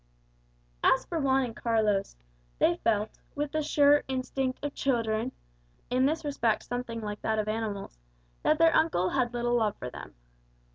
As for Juan and Carlos, they felt, with the sure instinct of children, in this respect something like that of animals, that their uncle had little love for them.